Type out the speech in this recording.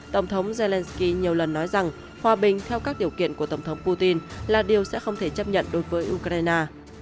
tổng thống zelensky nhiều lần nói rằng hòa bình theo các điều kiện của tổng thống putin là điều sẽ không thể chấp nhận đối với ukraine